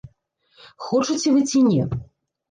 Хочаце вы ці не?